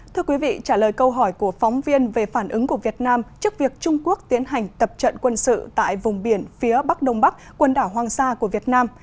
thưa quý vị trả lời câu hỏi của phóng viên về phản ứng của việt nam trước việc trung quốc tiến hành tập trận quân sự tại vùng biển phía bắc đông bắc quần đảo hoàng sa của việt nam